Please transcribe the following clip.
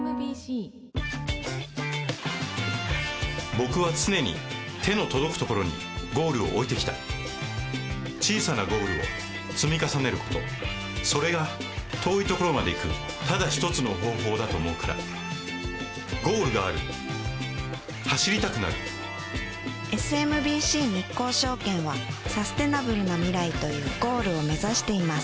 僕は常に手の届くところにゴールを置いてきた小さなゴールを積み重ねることそれが遠いところまで行くただ一つの方法だと思うからゴールがある走りたくなるＳＭＢＣ日興証券はサステナブルな未来というゴールを目指しています